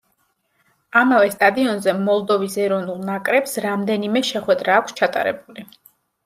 ამავე სტადიონზე მოლდოვის ეროვნულ ნაკრებს რამდენიმე შეხვედრა აქვს ჩატარებული.